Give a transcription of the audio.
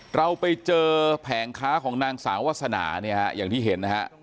เราไปเจอแผงค้าของนางสาววาสนาเนี่ยฮะอย่างที่เห็นนะฮะ